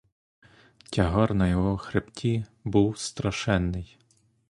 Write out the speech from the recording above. Тягар на його хребті був страшенний.